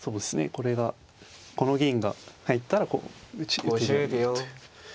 これがこの銀が入ったらこう打てるという。